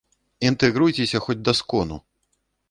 Інтэгруйцеся хоць да скону!